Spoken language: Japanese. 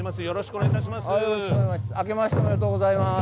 よろしくお願いします。